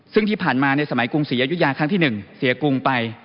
ซึ่งที่ผ่านมาในสมัยกรุงศรีอยุธยาครั้งที่๑เสียกรุงไป